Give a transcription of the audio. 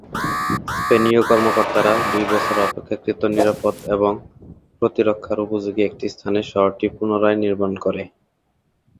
স্পেনীয় কর্মকর্তারা দুই বছর অপেক্ষাকৃত নিরাপদ এবং প্রতিরক্ষার উপযোগী একটি স্থানে শহরটি পুনরায় নির্মাণ করে।